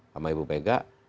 sama ibu mega